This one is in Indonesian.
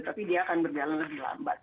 tapi dia akan berjalan lebih lambat